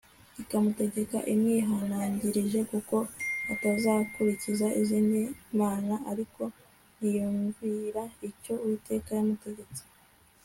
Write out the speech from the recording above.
ikamutegeka imwihanangirije kuko atazakurikira izindi mana; ariko ntiyumvira icyo uwiteka yamutegetse